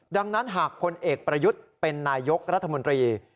ดังนั้นหากพลเอกประยุทธ์เป็นนายกรัฐมนตรี